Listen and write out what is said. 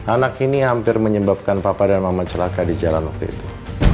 anak ini hampir menyebabkan paparan mama celaka di jalan waktu itu